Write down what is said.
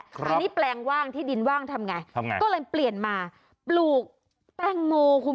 ทีนี้แปลงว่างที่ดินว่างทำไงทำไงก็เลยเปลี่ยนมาปลูกแตงโมคุณ